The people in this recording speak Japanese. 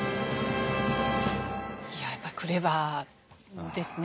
いややっぱりクレバーですね。